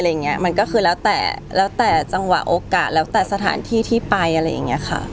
เอี๋นหนึ่งขอขออนุญาตสามเรื่อง